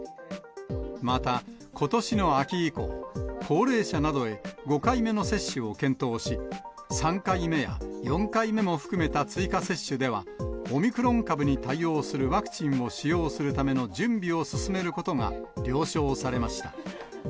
また、ことしの秋以降、高齢者などへ５回目の接種を検討し、３回目や４回目も含めた追加接種では、オミクロン株に対応するワクチンを使用するための準備を進めることが了承されました。